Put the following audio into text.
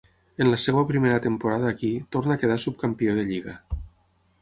En la seva primera temporada aquí, torna a quedar subcampió de lliga.